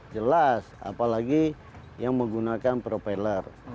jelas apalagi yang menggunakan propeller